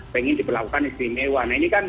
pengen diperlakukan istimewa